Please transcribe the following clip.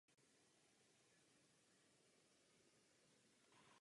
Satelit byl vynesen na přechodovou dráhu ke geostacionární dráze.